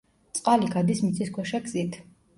წყალი გადის მიწისქვეშა გზით.